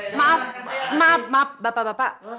maaf maaf maaf bapak bapak